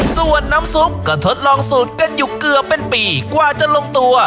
ส่วนน้ำซุปก็ทดลองสูตรกันอยู่เกือบเป็นปีกว่าจะลงตัว